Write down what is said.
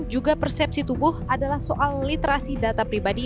juga persepsi tubuh adalah soal literasi data pribadi